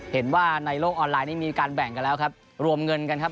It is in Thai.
เห็นว่าในโลกออนไลน์นี้มีการแบ่งกันแล้วครับรวมเงินกันครับ